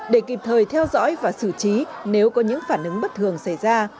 để kịp thời theo dõi và xử trí nếu có những phản ứng bất thường xảy ra